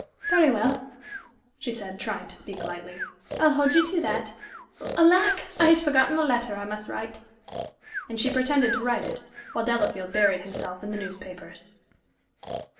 "Very well," she said, trying to speak lightly. "I'll hold you to that. Alack! I had forgotten a letter I must write." And she pretended to write it, while Delafield buried himself in the newspapers.